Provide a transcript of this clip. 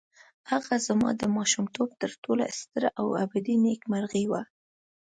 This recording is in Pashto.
هغه زما د ماشومتوب تر ټولو ستره او ابدي نېکمرغي وه.